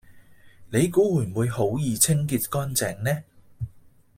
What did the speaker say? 你估會唔會好易清潔乾淨呢